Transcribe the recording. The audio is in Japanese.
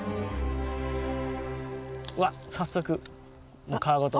わっ早速皮ごと。